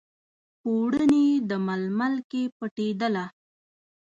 پوړني، د ململ کې پټیدله